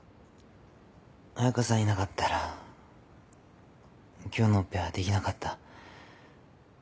彩佳さんいなかったら今日のオペはできなかった。